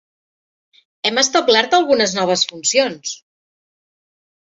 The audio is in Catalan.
Hem establert algunes noves funcions.